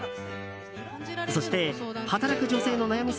そして、働く女性の悩み